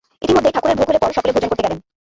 ইতোমধ্যে ঠাকুরের ভোগ হলে পর সকলে ভোজন করতে গেলেন।